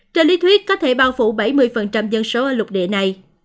trên lý thuyết có thể bao phủ bảy mươi dân số ở lục địa này